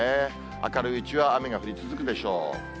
明るいうちは雨が降り続くでしょう。